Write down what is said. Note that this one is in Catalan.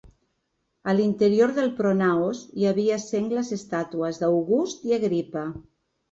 A l'interior del pronaos hi havia sengles estàtues d'August i Agripa.